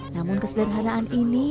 namun kesederhanaan ini